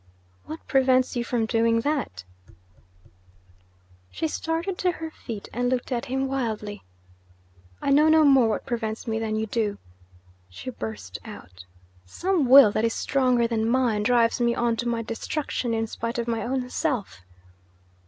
'What prevents you from doing that?' She started to her feet and looked at him wildly. 'I know no more what prevents me than you do!' she burst out. 'Some will that is stronger than mine drives me on to my destruction, in spite of my own self!'